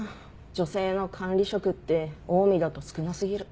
女性の管理職ってオウミだと少な過ぎる。